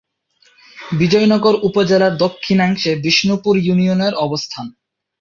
বিজয়নগর উপজেলার দক্ষিণাংশে বিষ্ণুপুর ইউনিয়নের অবস্থান।